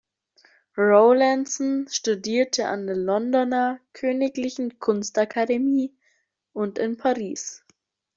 Rowlandson studierte an der Londoner Königlichen Kunstakademie und in Paris.